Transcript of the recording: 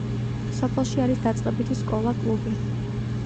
სოფელში არის დაწყებითი სკოლა, კლუბი.